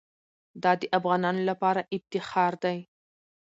دا د افغانانو لپاره افتخار دی.